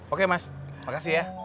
oke mas makasih ya